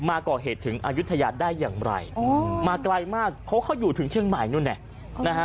มาก่อเหตุถึงอายุทยาได้อย่างไรมาไกลมากเพราะเขาอยู่ถึงเชียงใหม่นู่นเนี่ยนะฮะ